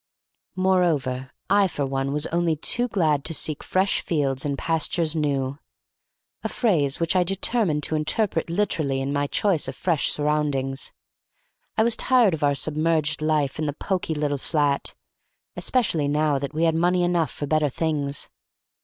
Moreover, I for one was only too glad to seek fresh fields and pastures new—a phrase which I determined to interpret literally in my choice of fresh surroundings. I was tired of our submerged life in the poky little flat, especially now that we had money enough for better things.